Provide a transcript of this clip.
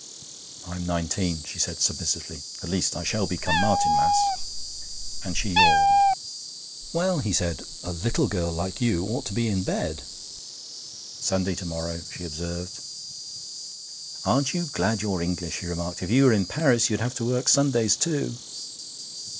'I'm nineteen,' she said submissively. 'At least, I shall be come Martinmas.' And she yawned. 'Well,' he said, 'a little girl like you ought to be in bed.' 'Sunday to morrow,' she observed. 'Aren't you glad you're English?' he remarked. 'If you were in Paris you'd have to work Sundays too.'